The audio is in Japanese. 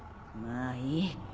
まあいい。